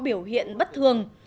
biểu hiện bất thường